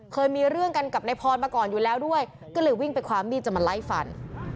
เคยมีเรื่องกันกับนายพรมาก่อนอยู่แล้วด้วยก็เลยวิ่งไปคว้ามีดจะมาไล่ฟัน